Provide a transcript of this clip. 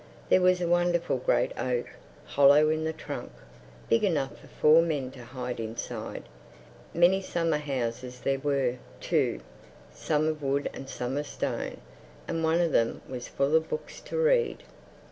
There was a wonderful great oak, hollow in the trunk, big enough for four men to hide inside. Many summer houses there were, too—some of wood and some of stone; and one of them was full of books to read.